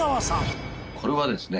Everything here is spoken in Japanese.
これはですね。